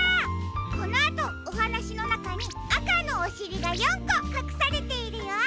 このあとおはなしのなかにあかのおしりが４こかくされているよ。